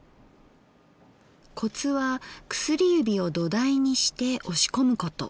コツは薬指を土台にして押し込むこと。